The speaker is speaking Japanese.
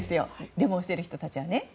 デモをしてる人たちは。